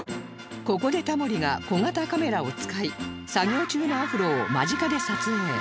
ここでタモリが小型カメラを使い作業中のアフロを間近で撮影